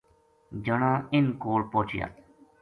جنا اِنھ کول پوہچیا